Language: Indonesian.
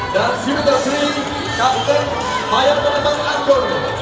dan si menteri kapten bayapenebas angoro